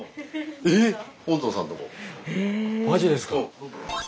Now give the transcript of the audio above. マジですか？